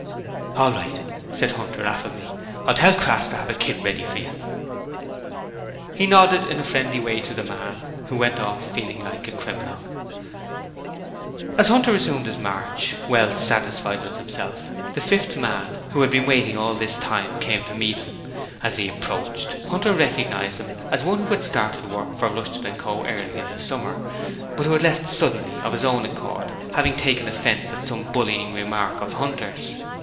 'All right,' said Hunter, affably. 'I'll tell Crass to have a kit ready for you.' He nodded in a friendly way to the man, who went off feeling like a criminal. As Hunter resumed his march, well pleased with himself, the fifth man, who had been waiting all this time, came to meet him. As he approached, Hunter recognized him as one who had started work for Rushton & Co early in the summer, but who had left suddenly of his own accord, having taken offence at some bullying remark of Hunter's.